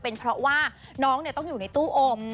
เป็นเพราะว่าน้องต้องอยู่ในตู้อบ